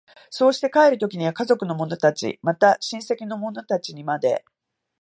そうして帰る時には家族の者たち、また親戚の者たちにまで、